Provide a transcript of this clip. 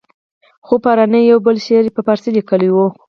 خو فاراني یو بل شعر په فارسي لیکلی وو.